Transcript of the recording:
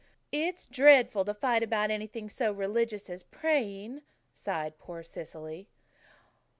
"It's dreadful to fight about anything so religious as praying," sighed poor Cecily.